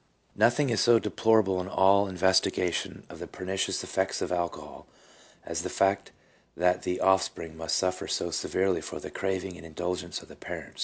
1 Nothing is so deplorable in all investigation of the pernicious effects of alcohol, as the fact that the off spring must suffer so severely for the craving and indulgence of the parents.